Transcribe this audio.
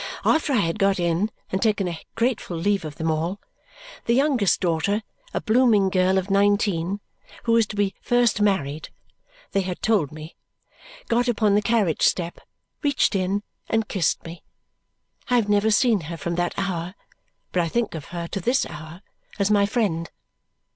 After I had got in and had taken a grateful leave of them all, the youngest daughter a blooming girl of nineteen, who was to be the first married, they had told me got upon the carriage step, reached in, and kissed me. I have never seen her, from that hour, but I think of her to this hour as my friend.